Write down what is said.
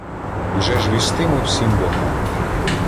Уже ж вістимо всім богам: